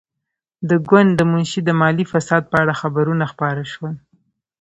د ګوند د منشي د مالي فساد په اړه خبرونه خپاره شول.